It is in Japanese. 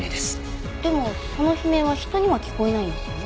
でもその悲鳴は人には聞こえないんですよね？